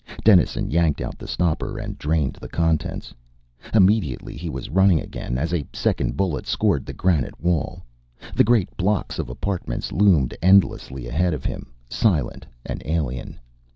Dennison yanked out the stopper and drained the contents. Immediately he was running again, as a second bullet scored the granite wall. The great blocks of apartments loomed endlessly ahead of him, silent and alien.